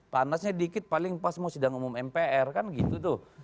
panasnya dikit paling pas mau sidang umum mpr kan gitu tuh